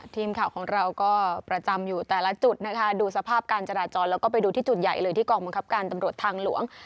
ทีมข่าวของเราก็ประจำอยู่แต่ละจุดนะคะดูสภาพการจราจรแล้วก็ไปดูที่จุดใหญ่เลยที่กองบังคับการตำรวจทางหลวง